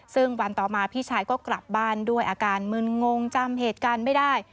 ซึ่งวันต่อมาพี่ชายก็กลับบ้านด้วยอาการมึนงงจำเหตุการณ์ไม่ได้